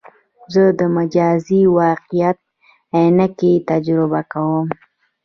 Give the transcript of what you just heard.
زه د مجازي واقعیت عینکې تجربه کوم.